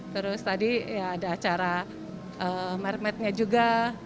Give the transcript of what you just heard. terus tadi ya ada acara mermetnya juga